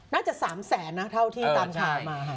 น่าจะ๓แสนนะเท่าที่ตามถามมา